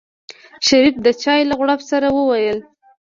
شريف د چای له غړپ سره وويل.